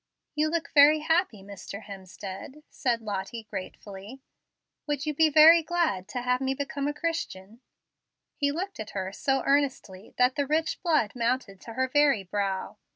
"You look very happy, Mr. Hemstead," said Lottie, gratefully. "Would you be very glad to have me become a Christian?" He looked at her so earnestly that the rich blood mounted to her very brow.